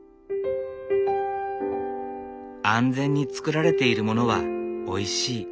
安全に作られているものはおいしい。